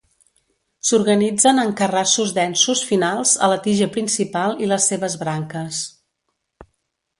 S'organitzen en carrassos densos finals a la tija principal i les seves branques.